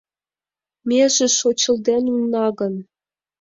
Меже шочылден улна гын